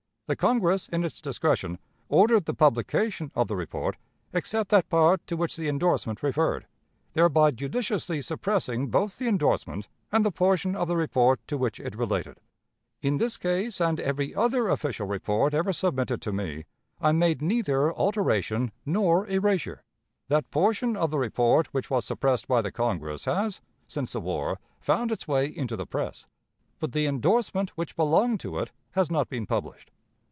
The Congress, in its discretion, ordered the publication of the report, except that part to which the endorsement referred, thereby judiciously suppressing both the endorsement and the portion of the report to which it related. In this case, and every other official report ever submitted to me, I made neither alteration nor erasure. That portion of the report which was suppressed by the Congress has, since the war, found its way into the press, but the endorsement which belonged to it has not been published.